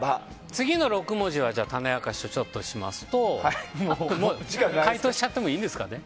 次の６文字の種明かしをしますと解答しちゃっていいんですかね。